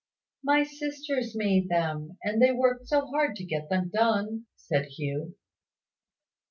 "My sisters made them; and they worked so hard to get them done!" said Hugh.